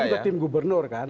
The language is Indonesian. namanya itu tim gubernur kan